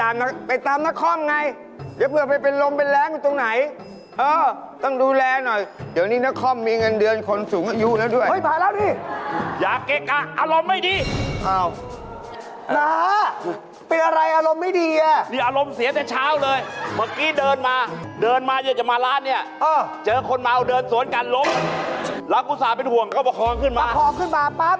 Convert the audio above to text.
มาของขึ้นมาปั๊บแล้วนะถามมันว่า